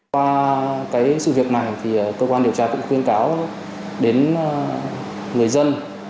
qua sự việc này thì cơ quan điều tra cũng khuyên cáo đến người dân